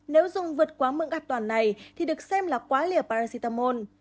nếu dùng vượt quá mượn gạt toàn này thì được xem là quá liều paracetamol